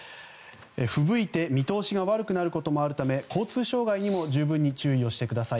ふぶいて見通しが悪くなることもあるため交通障害にも十分注意をしてください。